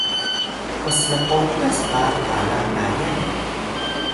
“pslkotas” qa qalang Tayal la